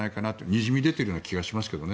にじみ出ているような気がしますけど。